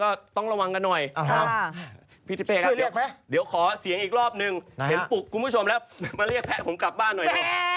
อ๋อคุณพี่ทิเฟย์ครับแต่ทำเลี่ยงหมกลางแจ้งเดี๋ยวขอเสียงอีกรอบนึงเห็นปลุกคุณผู้ชมแล้วมาเรียกแพะผมกลับบ้านหน่อย